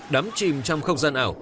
đám chìm trong không gian ảo